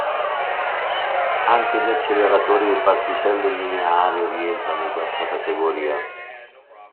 Anche gli acceleratori di particelle lineari rientrano in questa categoria.